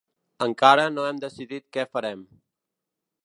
Encara no hem decidit què farem.